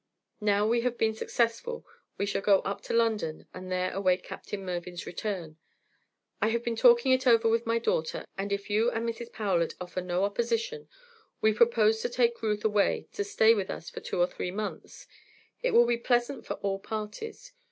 Now we have been successful we shall go up to London and there await Captain Mervyn's return. I have been talking it over with my daughter, and if you and Mrs. Powlett offer no opposition, we propose to take Ruth away to stay with us for two or three months. It will be pleasant for all parties.